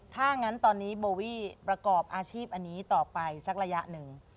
ถ้างั้นตอนนี้โบวี่ประกอบอาชีพอันนี้ต่อไปสักระยะหนึ่ง